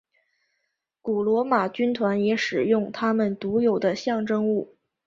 古罗马军团也使用他们独有的象征物。